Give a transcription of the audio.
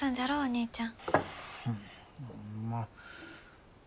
お兄ちゃん。